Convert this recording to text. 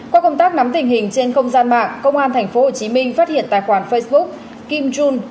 qua công tác nắm tình hình trên không gian mạng công an tp hcm phát hiện tài khoản facebook kim jun